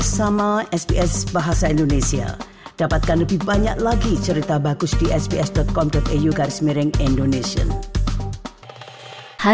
sampai jumpa di sps bahasa indonesia